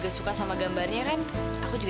aduh al sori banget al